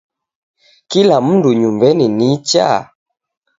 Kila mundu nyumbenyi nicha?